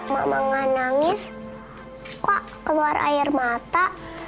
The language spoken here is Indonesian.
mama nggak nangis kok keluar air mata